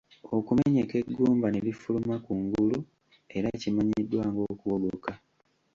Okumenyeka eggumba ne lifuluma ku ngulu era kimanyiddwa ng'okuwogoka.